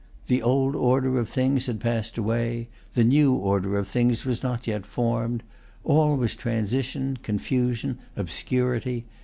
The old order of things had passed away; the new order of things was not yet formed. All was transition, confusion, obscurity.